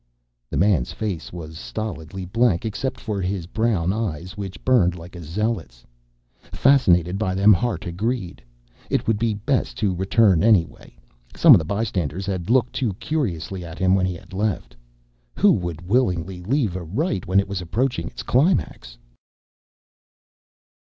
The man's face was stolidly blank except for his brown eyes which burned like a zealot's. Fascinated by them, Hart agreed. It would be best to return anyway. Some of the bystanders had looked too curiously at him when he had left. Who would willingly leave a Rite when it was approaching its climax?